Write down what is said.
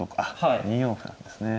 あっ２四歩なんですね。